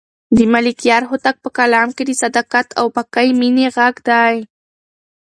د ملکیار هوتک په کلام کې د صداقت او پاکې مینې غږ دی.